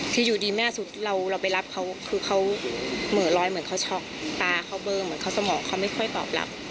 คืออยู่ดีแม่สุดเราไปรับเขาคือเขาเหม่อลอยเหมือนเขาช็อกตาเขาเบอร์เหมือนเขาสมองเขาไม่ค่อยตอบรับ